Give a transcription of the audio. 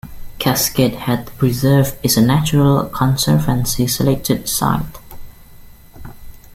Cascade Head Preserve is a Nature Conservancy Selected Site.